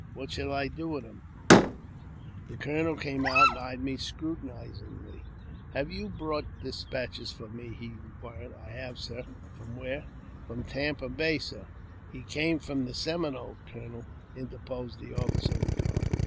What shall I do with him ?" The colonel came out, and eyed me scrutinizingly. " Have you brought despatches for me ?" he inquired. " I have, sir." "From where? "'' From Tampa Bay, sir." " He came from the Seminoles, colonel," interposed the officer of the guard.